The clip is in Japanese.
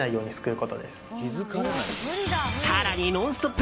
更に「ノンストップ！」